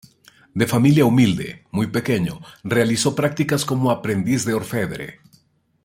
De familia humilde, muy pequeño realizó prácticas como aprendiz de orfebre.